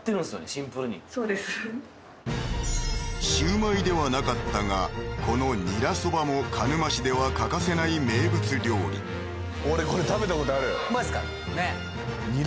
シンプルにそうですシウマイではなかったがこのニラそばも鹿沼市では欠かせない名物料理マジですか？